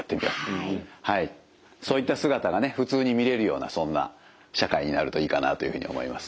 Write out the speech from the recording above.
そういった姿が普通に見れるようなそんな社会になるといいかなというふうに思います。